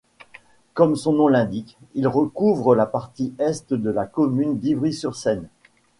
Comme son nom l'indique, il recouvre la partie Est de la commune d'Ivry-sur-Seine.